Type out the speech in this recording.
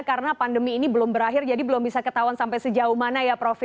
karena pandemi ini belum berakhir jadi belum bisa ketahuan sampai sejauh mana ya prof